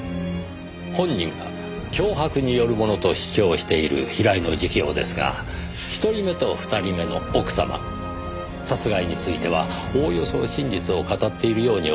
本人が脅迫によるものと主張している平井の自供ですが１人目と２人目の奥様殺害についてはおおよそ真実を語っているように思います。